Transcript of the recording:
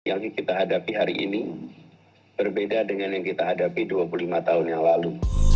yang kita hadapi hari ini berbeda dengan yang kita hadapi dua puluh lima tahun yang lalu